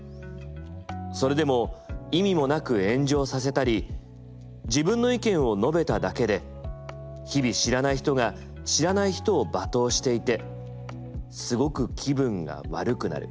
それでも意味もなく炎上させたり自分の意見を述べただけで日々知らない人が知らない人を罵倒していてすごく気分が悪くなる。